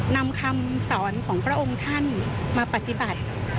นำคำสอนของพระองค์ท่านมาปฏิบัติ